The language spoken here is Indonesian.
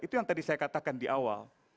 itu yang tadi saya katakan di awal